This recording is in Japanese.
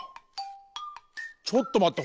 ちょっとまって！